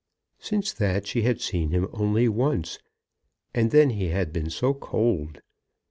Since that she had seen him only once, and then he had been so cold!